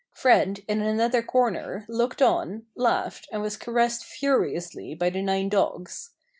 Fred, in another corner, looked on, laughed, and was caressed furiously by the nine dogs.